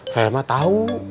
saya emak tahu